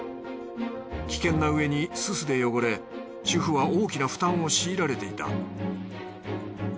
危険なうえにススで汚れ主婦は大きな負担を強いられていた。